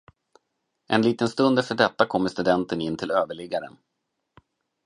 En liten stund efter detta kom studenten in till överliggaren.